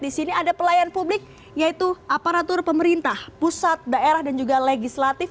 di sini ada pelayan publik yaitu aparatur pemerintah pusat daerah dan juga legislatif